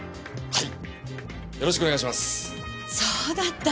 はい。